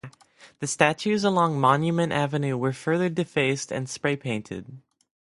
The statues along Monument Avenue were further defaced and spray painted.